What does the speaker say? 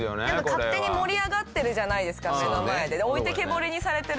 勝手に盛り上がってるじゃないですか目の前で。